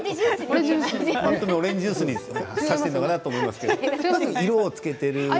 オレンジジュースに挿しているのかなと思いますけれどもあれは色をつけている？